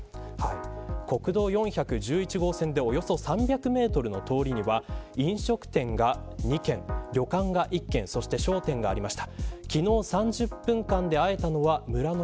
国道４１１号線でおよそ３００メートルの通りには飲食店が２軒、旅館が１軒そして商店がありました。